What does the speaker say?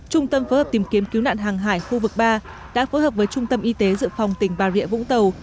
trung tâm phối hợp tìm kiếm cứu nạn hàng hải khu vực ba đã phối hợp với trung tâm y tế dự phòng tỉnh bà rịa vũng tàu